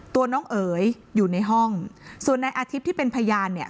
ตัวน้องเอ๋ยอยู่ในห้องส่วนในอาทิตย์ที่เป็นพยานเนี่ย